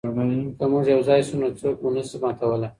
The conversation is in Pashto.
که موږ یو ځای شو نو څوک مو نه شي ماتولی.